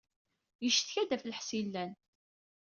Yeccetka-d ɣef lḥess yellan.